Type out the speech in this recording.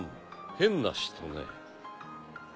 変な人ね。